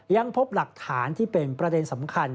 ยังพบหลักฐานที่เป็นประเด็นสำคัญ